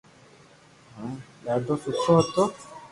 ھين ڌاڌو سٺو ھتو